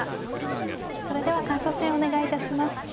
それでは感想戦お願い致します。